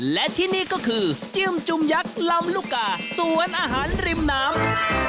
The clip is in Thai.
และที่นี่ก็คือจิ้มจุ่มยักษ์ลำลูกกาสวนอาหารริมน้ำ